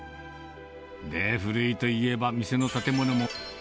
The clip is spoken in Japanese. で、古いといえば、店の建物も築